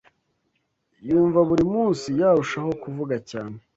Yumva buri munsi yarushaho kuvuga cyane